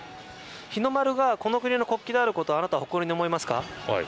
日の丸がこの国の国旗であることをあなたは誇りに思いますか？